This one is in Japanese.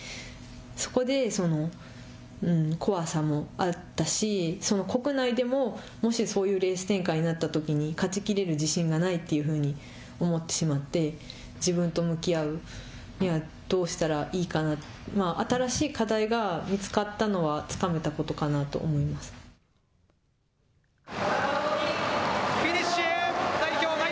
そこで怖さもあったし国内でももしそういうレース展開になったときに勝ちきれる自信がないというふうに思ってしまって自分と向き合うにはどうしたらいいかな新しい課題が見つかったのはフィニッシュ。